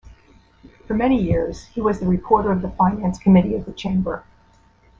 For many years he was the reporter of the finance committee of the chamber.